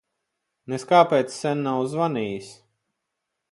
Nez kāpēc sen nav zvanījis.